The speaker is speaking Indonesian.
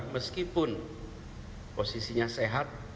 meskipun posisinya sehat